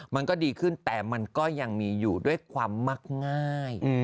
มันก็ดีขึ้นแต่มันก็ยังมีอยู่ด้วยความมักง่าย